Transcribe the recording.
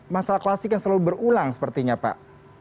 masalah klasik yang selalu berulang sepertinya pak